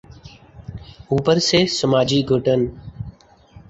اوپر سے سماجی گھٹن۔